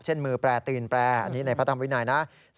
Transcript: มือแปรตีนแปรอันนี้ในพระธรรมวินัยนะ